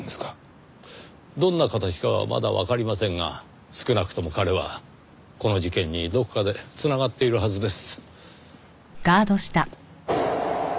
どんな形かはまだわかりませんが少なくとも彼はこの事件にどこかで繋がっているはずです。